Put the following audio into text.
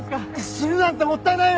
死ぬなんてもったいないよ。